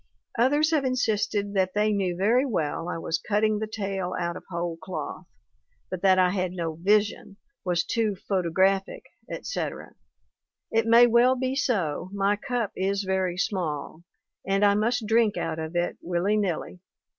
Others have insisted that they knew very well I was cutting the tale out of whole cloth, but that I had no Vision/ was 'too photographic/ etc. It may well be so; my cup is very small, and I must drink out of it, willy nilly.